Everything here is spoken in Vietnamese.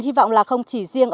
hy vọng là không chỉ riêng